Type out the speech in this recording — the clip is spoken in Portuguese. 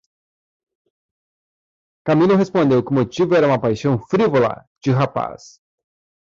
Camilo respondeu que o motivo era uma paixão frívola de rapaz.